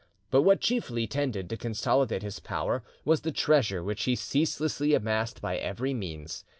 But what chiefly tended to consolidate his power was the treasure which he ceaselessly amassed by every means.